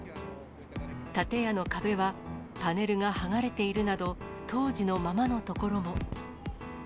建屋の壁は、パネルが剥がれているなど、当時のままのところも。